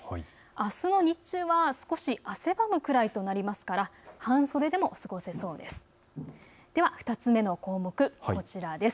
あすの日中は少し汗ばむくらいとなりますから半袖でも過ごせそうです。